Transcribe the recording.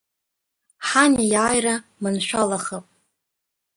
Ҳанеи-ааира маншәалахап.